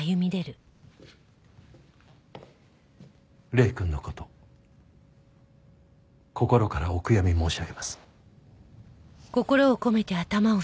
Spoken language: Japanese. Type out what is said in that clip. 礼くんの事心からお悔やみ申し上げます。